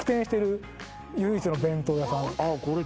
唯一の弁当屋さん